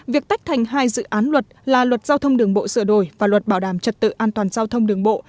việc tách thành hai dự án luật là luật giao thông đường bộ sửa đổi và luật bảo đảm trật tự an toàn giao thông đường bộ